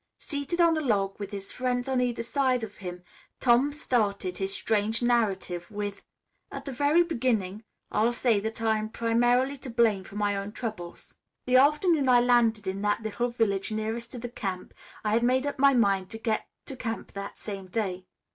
Seated on a log, with his friends on either side of him, Tom started his strange narrative with: "At the very beginning I'll say that I'm primarily to blame for my own troubles. The afternoon I landed in that little village nearest to the camp, I had made up my mind to get to camp that same day.